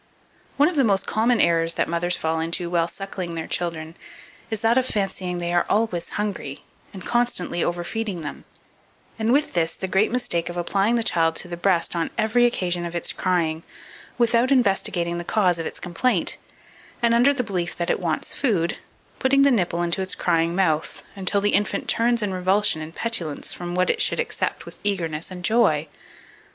2482. One of the most common errors that mothers fall into while suckling their children, is that of fancying they are always hungry, and consequently overfeeding them; and with this, the great mistake of applying the child to the breast on every occasion of its crying, without investigating the cause of its complaint, and, under the belief that it wants food, putting the nipple into its crying mouth, until the infant turns in revulsion and petulance from what it should accept with eagerness and joy.